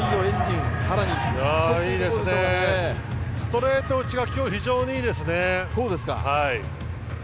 ストレート打ちが今日、非常にいいですね。